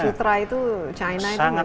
kalau sutra itu china itu memang